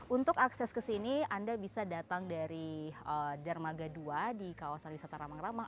untuk akses ke sini anda bisa datang dari dermaga dua di kawasan wisata ramang ramang